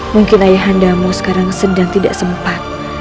mungkin ayahandamu sekarang sedang tidak sempat